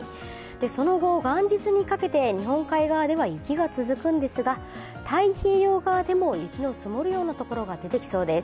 その後、元日にかけて日本海側では雪が続くんですが太平洋側でも雪の積もるようなところが出てきそうです。